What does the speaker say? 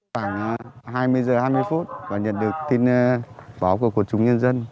khoảng hai mươi giờ hai mươi phút và nhận được tin báo của quốc trung nhân dân